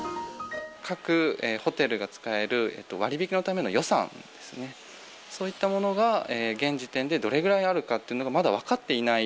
各ホテルが使える割引のための予算ですね、そういったものが現時点でどれぐらいあるかっていうのが、まだ分かっていない。